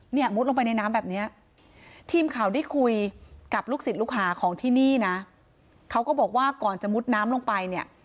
มุดลงไปในน้ำแบบเนี้ยทีมข่าวได้คุยกับลูกศิษย์ลูกหาของที่นี่นะเขาก็บอกว่าก่อนจะมุดน้ำลงไปเนี่ย